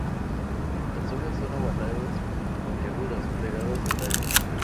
Las hojas son ovaladas y puntiagudas, pegadas al tallo.